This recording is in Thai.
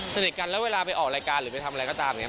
สนิทกันแล้วเวลาไปออกรายการหรือไปทำอะไรก็ตามเนี่ย